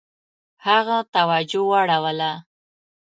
هغه توجه واړوله.